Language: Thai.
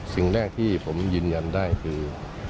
สิ่งแรกที่ผมยืนยันได้คือ